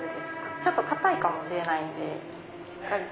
ちょっとかたいかもしれないのでしっかりと。